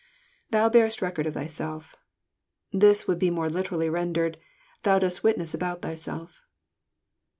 IThou barest record of thyself.'} This would be more literally rendered, thou dost witness about thyself."